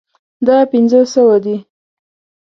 دا پنځه سوه دي